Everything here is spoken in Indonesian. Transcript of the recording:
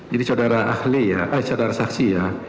jadi saudara ahli ya